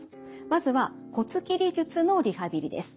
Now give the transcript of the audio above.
まずは骨切り術のリハビリです。